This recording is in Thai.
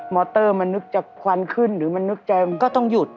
อเตอร์มันนึกจะควันขึ้นหรือมันนึกใจมันก็ต้องหยุด